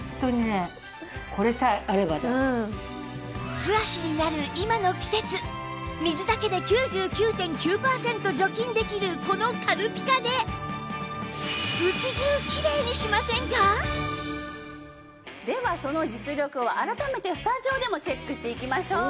素足になる今の季節水だけで ９９．９ パーセント除菌できるこの軽ピカでではその実力を改めてスタジオでもチェックしていきましょう。